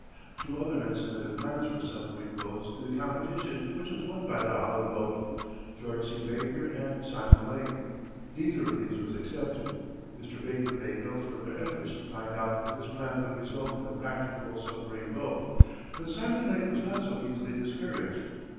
Two other men submitted plans for submarine boats in the competition which was won by the Holland boat, George C. Baker and Simon Lake. Neither of these was accepted. Mr. Baker made no further efforts to find out if his plans would result in a practicable submarine boat. But Simon Lake was not so easily discouraged.